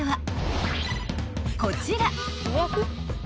［こちら］